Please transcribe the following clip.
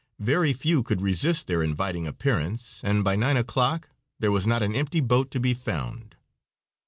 Very few could resist their inviting appearance, and by nine o'clock there was not an empty boat to be found.